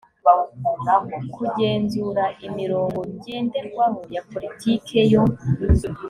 kugenzura imirongo ngenderwaho ya politiki yo